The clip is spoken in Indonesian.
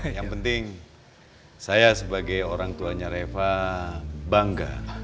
yang penting saya sebagai orang tuanya reva bangga